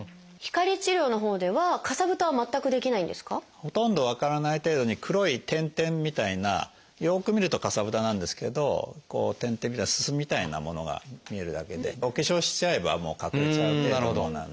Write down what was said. ほとんど分からない程度に黒い点々みたいなよく見るとかさぶたなんですけど点々みたいなすすみたいなものが見えるだけでお化粧しちゃえば隠れちゃう程度のものなんで。